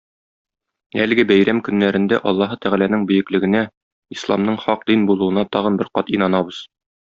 Әлеге бәйрәм көннәрендә Аллаһы Тәгаләнең бөеклегенә, Исламның хак дин булуына тагын бер кат инанабыз.